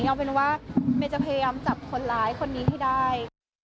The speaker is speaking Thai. เอาเป็นว่าเมย์จะพยายามจับคนร้ายคนนี้ให้ได้